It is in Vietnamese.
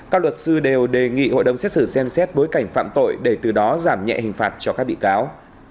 các luật sư đều đề nghị hội đồng xét xử xem xét bối cảnh phạm tội để từ đó giảm nhẹ hình phạt cho các bị cáo